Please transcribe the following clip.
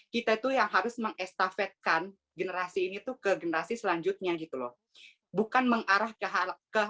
kita itu yang harus mengekstafetkan generasi ini ke generasi selanjutnya